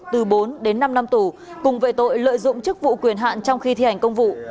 từ bốn đến năm năm tù cùng về tội lợi dụng chức vụ quyền hạn trong khi thi hành công vụ